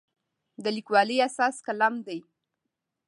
د لیکوالي اساس قلم دی.